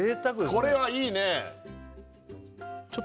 これはいいね！